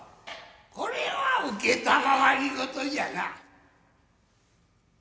これは承り事じゃな。